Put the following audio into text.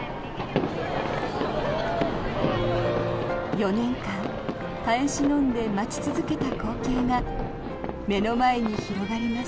４年間耐え忍んで待ち続けた光景が目の前に広がります。